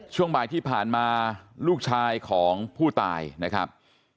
ช่วงบ่ายที่ผ่านมาลูกชายของผู้ตายนะครับ